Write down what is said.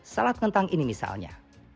salad kentang ini misalnya